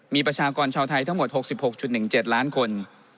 มีประชากรชาวไทยทั้งหมด๖๖๑๗ล้านคน